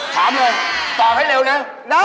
ถามเลยตอบให้เร็วนะ